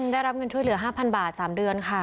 ได้รับเงินช่วยเหลือ๕๐๐บาท๓เดือนค่ะ